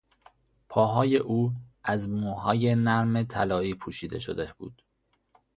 پاهای او از موهای نرم طلایی پوشیده شده بود.